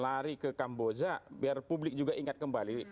lari ke kamboja biar publik juga ingat kembali